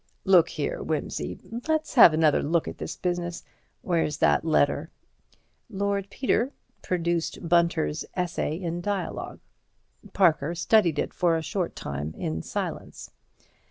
"Look here, Wimsey, let's have another look at this business. Where's that letter?" Lord Peter produced Bunter's essay in dialog. Parker studied it for a short time in silence.